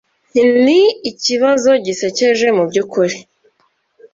Ni ikibazo gisekeje, mubyukuri.